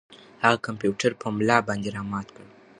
هغه کمپیوټر په ملا باندې را مات کړ.